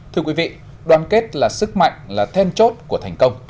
thưa quý vị đoàn kết là sức mạnh là then chốt của thành công